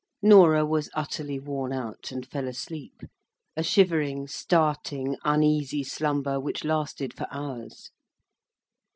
Norah was utterly worn out, and fell asleep—a shivering, starting, uneasy slumber, which lasted for hours.